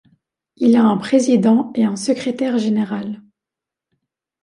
Il a un président et un secrétaire général.